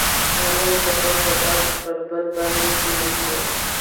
هغوی په خوښ باغ کې پر بل باندې ژمن شول.